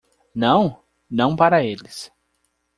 Não? não para eles.